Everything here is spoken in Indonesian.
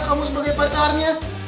kamu sebagai pacarnya